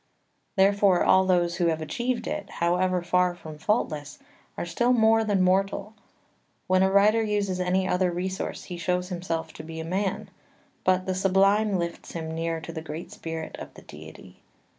Therefore all those who have achieved it, however far from faultless, are still more than mortal. When a writer uses any other resource he shows himself to be a man; but the Sublime lifts him near to the great spirit of the Deity.